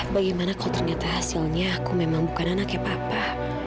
bagaimana kalau ternyata hasilnya aku memang bukan anaknya papa